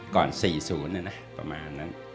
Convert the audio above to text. ก่อน๔๐ประมาณนั้น